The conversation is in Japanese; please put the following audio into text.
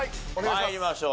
参りましょう。